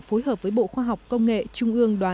phối hợp với bộ khoa học công nghệ trung ương đoàn